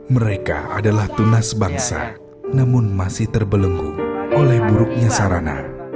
mereka adalah tunas bangsa namun masih terbelenggu oleh buruknya sarana